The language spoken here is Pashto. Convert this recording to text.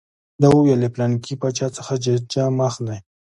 ده وویل له پلانکي باچا څخه ججه مه اخلئ.